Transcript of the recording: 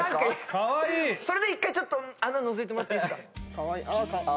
それで１回ちょっと穴のぞいてもらっていいっすか？